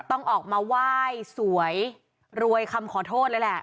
ต้องออกมาไหว้สวยรวยคำขอโทษเลยแหละ